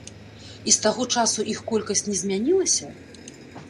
І з таго часу іх колькасць не змянілася?